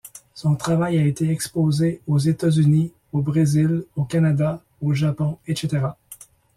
Son travail a été exposé aux États-Unis, au Brésil, au Canada, au Japon etc.